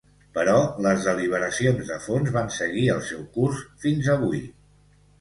Però les deliberacions de fons van seguir el seu curs fins avui.